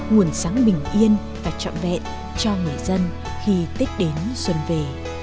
nguồn sáng bình yên và trọn vẹn cho người dân khi tết đến xuân về